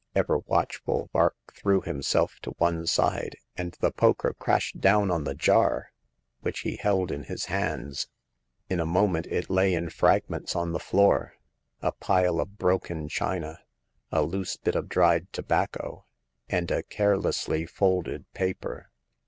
Ever watchful, Vark threw himself to one side, and the poker crashed down on the jar, which he held in his hands. In a moment it lay in frag ments on the floor. A pile of broken china, a loose bit of dried tobacco, and a carelessly folded paper.